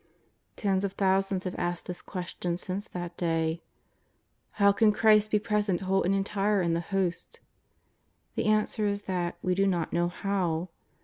Tens of thousands have asked this question since that day :'^ How can Christ be present whole and entire in the Host ?" The answer is that we do not know how.